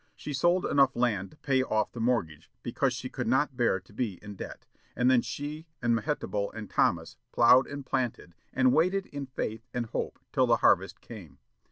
She sold enough land to pay off the mortgage, because she could not bear to be in debt, and then she and Mehetabel and Thomas ploughed and planted, and waited in faith and hope till the harvest came.